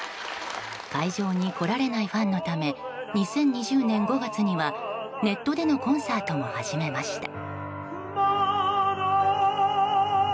会場に来られないファンのため２０２０年５月にはネットでのコンサートも始めました。